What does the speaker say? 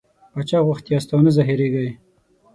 باچا غوښتي یاست او نه زهرېږئ.